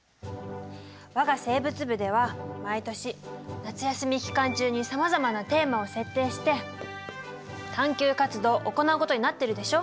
我が生物部では毎年夏休み期間中にさまざまなテーマを設定して探究活動を行うことになってるでしょ。